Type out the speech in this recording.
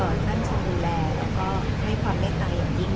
อันไกลอด้วยให้ความเมตตายอย่างยิ่ง